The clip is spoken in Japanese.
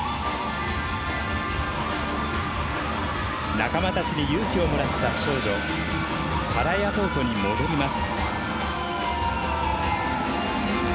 仲間たちに勇気をもらった少女パラ・エアポートに戻ります。